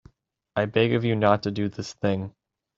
I beg of you not to do this thing.